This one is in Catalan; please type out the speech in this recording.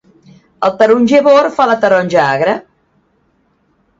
El taronger bord fa la taronja agra.